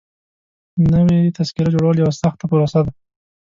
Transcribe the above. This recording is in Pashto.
نوي تذکيري جوړول يوه سخته پروسه ده.